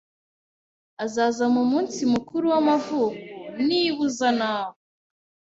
Azaza mu munsi mukuru w'amavuko niba uza, nawe.